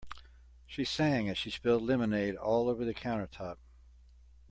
She sang as she spilled lemonade all over the countertop.